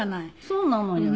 そうなのよ。